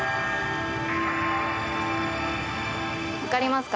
分かりますか？